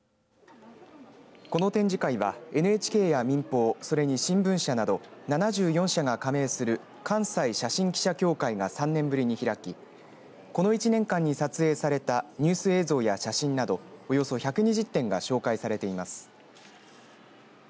この展示会は、ＮＨＫや民放それに新聞社など７４社が加盟する関西写真記者協会が３年ぶりに開きこの１年間に撮影されたニュース映像や写真などおよそ１２０点が紹介されています。